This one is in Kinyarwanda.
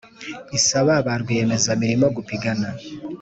isaba ba rwiyemezamirimo gupigana